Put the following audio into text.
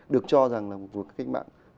được cho rằng là một cuộc cách mạng